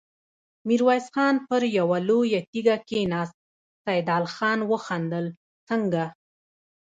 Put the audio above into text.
ميرويس خان پر يوه لويه تيږه کېناست، سيدال خان وخندل: څنګه!